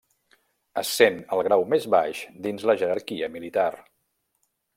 Essent el grau més baix dins la jerarquia militar.